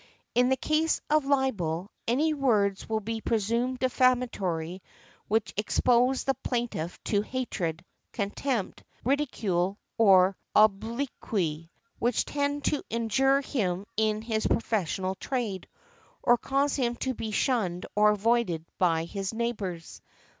In the case of libel, any words will be presumed defamatory which expose the plaintiff to hatred, contempt, ridicule or obloquy, which tend to injure him in his professional trade, or cause him to be shunned or avoided by his neighbours.